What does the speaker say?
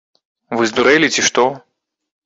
Вы здурэлі, ці што?